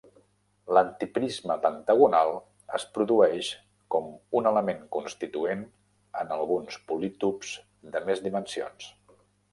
L'antiprisme pentagonal es produeix com un element constituent en alguns polítops de més dimensions.